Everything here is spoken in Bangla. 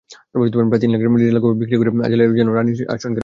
প্রায় তিন লাখ ডিজিটাল কপি বিক্রি করে আজালিয়া যেন রানির আসন গেড়েছেন।